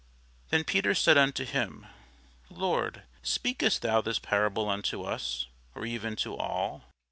Then Peter said unto him, Lord, speakest thou this parable unto us, or even to all?